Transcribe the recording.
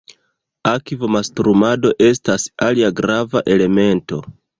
Akvo-mastrumado estas alia grava elemento.